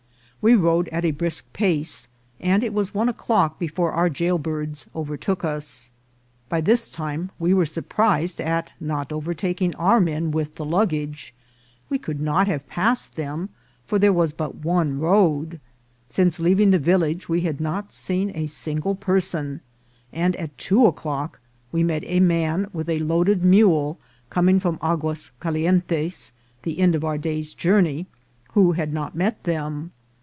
We rode at a brisk pace, and it was one o'clock before our jailbirds overtook us. By this time we were surprised at not overtaking our men with the luggage. We could not have passed them, for there was but one road. Since leaving the village we had not seen a single person, and at two o'clock we met a* man with a loaded mule coming from Aguas Calientes, the end of our day's journey, who had not met them.